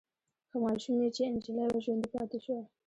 خو ماشوم يې چې نجلې وه ژوندۍ پاتې شوه.